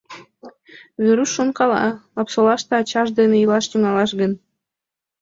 Веруш шонкала: Лапсолаште ачаж дене илаш тӱҥалаш гын?